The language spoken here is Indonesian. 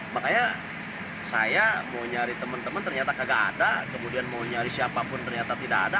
makanya saya mau nyari teman teman ternyata kagak ada kemudian mau nyari siapapun ternyata tidak ada